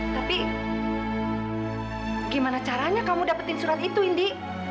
tapi gimana caranya kamu dapetin surat itu indi